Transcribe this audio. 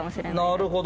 なるほど。